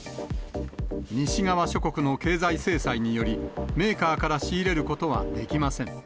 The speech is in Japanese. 西側諸国の経済制裁により、メーカーから仕入れることはできません。